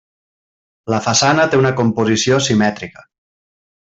La façana té una composició simètrica.